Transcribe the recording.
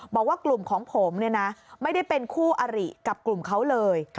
บอกว่ากลุ่มของผมเนี่ยนะไม่ได้เป็นคู่อริกับกลุ่มเขาเลย